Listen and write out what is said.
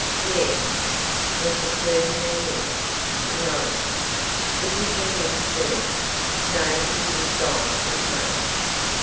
"Yes." "Was the clergyman in?" "No." "Would he be in soon?" "No, he was gone from home."